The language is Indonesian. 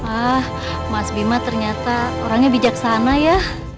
ah mas bima ternyata orangnya bijaksana ya